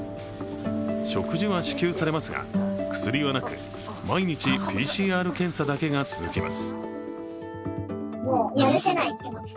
食事は支給されますが薬はなく毎日ＰＣＲ検査だけが続きます。